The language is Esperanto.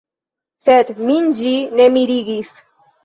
Sed min ĝi ne mirigis.